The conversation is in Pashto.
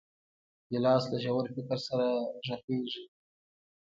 ګیلاس له ژور فکر سره غږېږي.